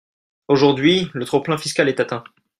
Aujourd’hui, le trop-plein fiscal est atteint.